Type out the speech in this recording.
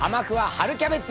春キャベツ」